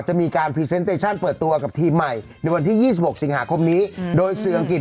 จะมีการเปิดตัวกับทีมใหม่ในวันที่๒๖สิงหาคมนี้โดยสื่ออังกฤษ